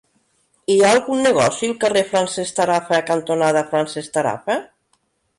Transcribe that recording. Hi ha algun negoci al carrer Francesc Tarafa cantonada Francesc Tarafa?